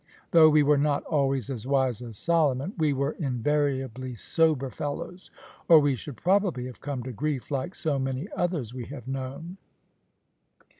Though we were not always as wise as Solomon, we were invariably sober fellows, or we should probably have come to grief like so many others we have known."